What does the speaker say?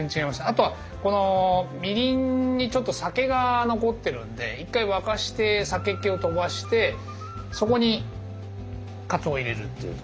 あとはこのみりんにちょっと酒が残ってるんで１回沸かして酒気を飛ばしてそこにかつおを入れるっていう。